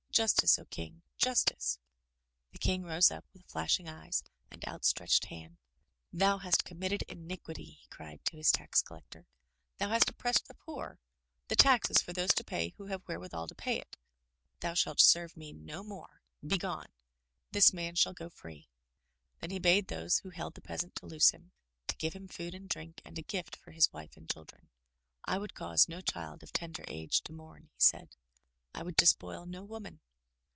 Justice, O King! Justice!" The King rose up with flashing eyes and out stretched hand. "Thou hast committed iniquity,'* he cried to his tax collec tor. "Thou hast oppressed the poor. The tax is for those to pay who have wherewithal to pay it. Thou shalt serve me no more. Begone! This man shall go free." Then he bade those who held the peasant to loose him, to give him food and drink and a gift for his wife and children. "I would cause no child of tender age to mourn," he said. " I would despoil no woman.